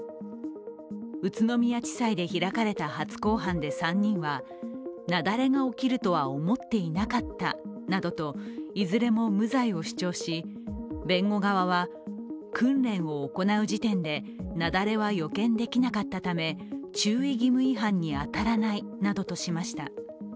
宇都宮地裁で開かれた初公判で３人が雪崩が起きるとは思っていなかったなどといずれも無罪を主張し弁護側は、訓練を行う時点で雪崩は予見できなかったため注意義務違反に当たらないなどとしました。